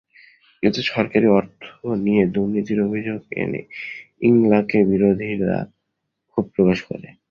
এতে সরকারি অর্থ নিয়ে দুর্নীতির অভিযোগ এনে ইংলাকের বিরোধীরা ক্ষোভ প্রকাশ করে।